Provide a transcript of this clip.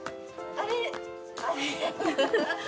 あれ。